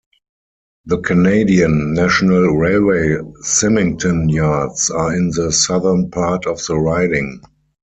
The Canadian National Railway Symington Yards are in the southern part of the riding.